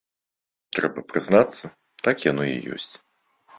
Трэба прызнацца, так яно і ёсць.